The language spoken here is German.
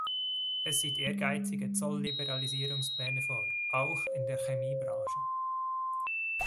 Es sieht ehrgeizige Zollliberalisierungspläne vor, auch in der Chemiebranche.